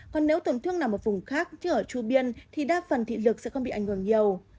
còn nếu tổn thương nằm ở vùng khác chứ ở tru biên thì đa phần thị lực sẽ không bị ảnh hưởng nhiều